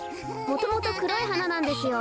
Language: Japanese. もともとくろいはななんですよ。